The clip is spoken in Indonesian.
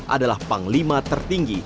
adalah panglima tertinggi